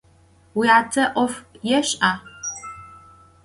Vuyate 'of yêş'a?